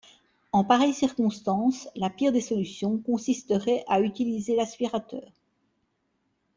En pareille circonstance, la pire des solutions consisterait à utiliser l'aspirateur.